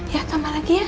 ya tambah lagi ya